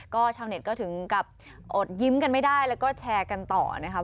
ก็ชาวเน็ตก็ถึงกับอดยิ้มกันไม่ได้แล้วก็แชร์กันต่อนะครับ